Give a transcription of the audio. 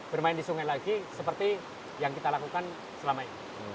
bermain di sungai lagi seperti yang kita lakukan selama ini